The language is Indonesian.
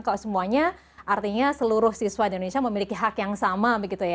kalau semuanya artinya seluruh siswa di indonesia memiliki hak yang sama begitu ya